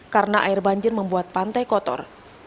karena air banjir membuat pantai kotor